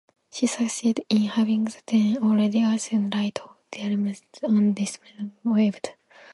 She succeeded in having the then already archaic rites of disembowelment and dismemberment waived.